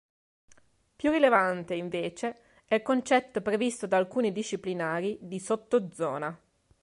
Più rilevante, invece, è il concetto, previsto da alcuni disciplinari, di sottozona.